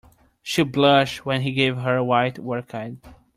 She blushed when he gave her a white orchid.